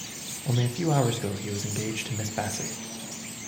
Only a few hours ago he was engaged to Miss Bassett.